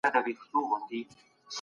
که کارګر خوشحاله وي تولید زیاتیږي.